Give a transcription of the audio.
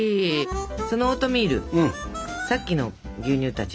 そのオートミールさっきの牛乳たち。